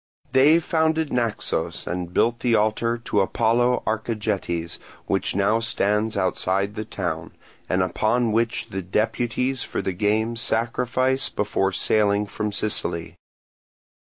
They founded Naxos and built the altar to Apollo Archegetes, which now stands outside the town, and upon which the deputies for the games sacrifice before sailing from Sicily.